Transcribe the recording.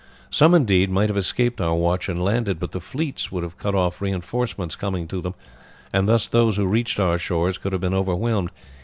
"Some, indeed, might have escaped our watch and landed, but the fleets could have cut off reinforcements coming to them, and thus those who reached our shores could have been overwhelmed.